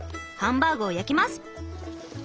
ハンバーグを焼きます。